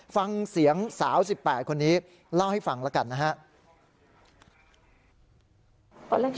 ฟังเสียงสาว๑๘คนนี้เล่าให้ฟังแล้วกันนะครับ